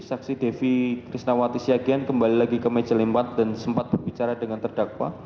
saksi devi krisnawati siagian kembali lagi ke meja limbat dan sempat berbicara dengan terdakwa